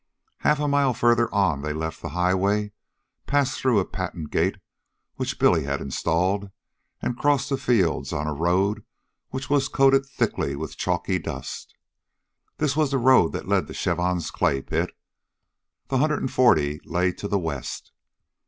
Half a mile farther on, they left the highway, passed through a patent gate which Billy had installed, and crossed the fields on a road which was coated thick with chalky dust. This was the road that led to Chavon's clay pit. The hundred and forty lay to the west.